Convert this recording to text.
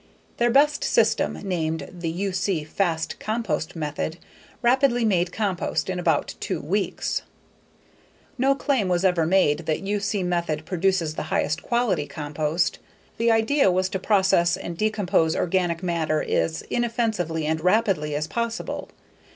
Their best system, named the U. C. Fast Compost Method, rapidly made compost in about two weeks. No claim was ever made that U. C. method produces the highest quality compost. The idea was to process and decompose organic matter as inoffensively and rapidly as possible.